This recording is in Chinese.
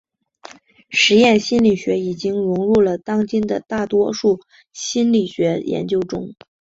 实验心理学已经融入了当今的大多数心理学研究中。